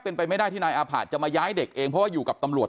เป็นไปไม่ได้ที่นายอาผะจะมาย้ายเด็กเองเพราะว่าอยู่กับตำรวจ